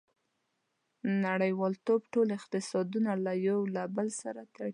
• نړیوالتوب ټول اقتصادونه یو له بل سره تړلي.